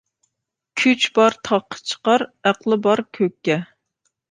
كۈچ بار تاغقا چىقار، ئەقلى بار كۆككە.